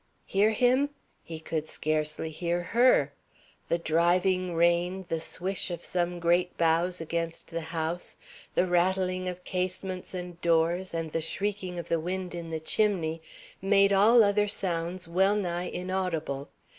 Hear him? He could scarcely hear her. The driving rain, the swish of some great boughs against the house, the rattling of casements and doors, and the shrieking of wind in the chimney made all other sounds wellnigh inaudible.